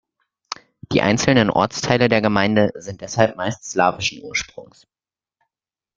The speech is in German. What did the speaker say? Die einzelnen Ortsteile der Gemeinde sind deshalb meist slawischen Ursprunges.